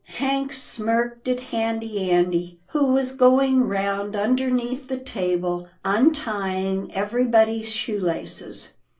Hank smirked at Handy Andy, who was going round underneath the table, untying everybody's shoe laces.